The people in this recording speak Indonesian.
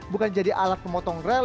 bukan jadi alat pemotong rel